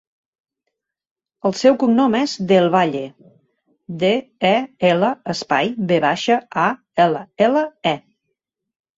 El seu cognom és Del Valle: de, e, ela, espai, ve baixa, a, ela, ela, e.